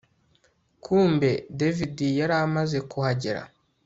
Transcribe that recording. kumbe david yaramaze kuhagera